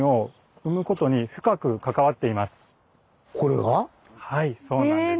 はいそうなんです。